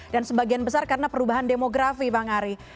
dan sebagian besar karena perubahan demografi bang ari